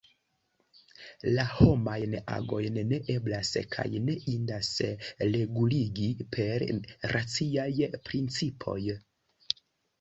La homajn agojn ne eblas kaj ne indas reguligi per raciaj principoj.